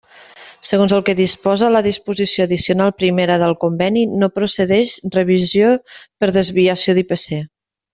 Segons el que disposa la disposició addicional primera del conveni no procedix revisió per desviació d'IPC.